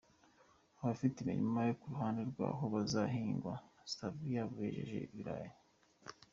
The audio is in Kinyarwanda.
Abafite imirima ku ruhande rw’aho hazahingwa Stevia bejeje ibirayi.